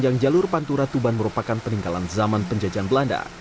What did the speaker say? jalur jalur pantura tuban merupakan peninggalan zaman penjejaan belanda